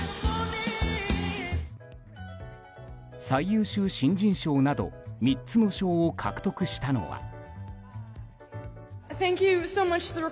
最優秀新人賞など３つの賞を獲得したのは。